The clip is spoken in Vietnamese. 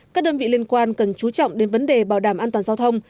các đơn vị liên quan cần chú trọng đến vấn đề bảo đảm an toàn giao thông